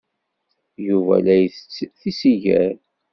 Yuba la isett tisigar.